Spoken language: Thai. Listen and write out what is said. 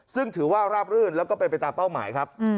ซึ่งถือว่าราบรื่นแล้วก็เป็นไปตามเป้าหมายครับ